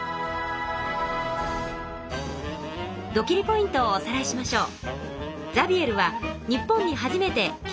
ポイントをおさらいしましょう。